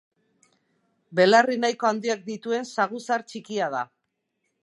Belarri nahiko handiak dituen saguzar txikia da.